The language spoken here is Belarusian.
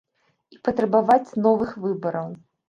І патрабаваць новых выбараў.